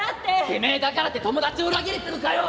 「てめえだからって友達を裏切るってのかよ！」。